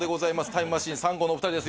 タイムマシーン３号のお二人です。